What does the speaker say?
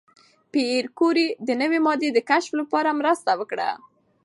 پېیر کوري د نوې ماده د کشف لپاره مرسته وکړه.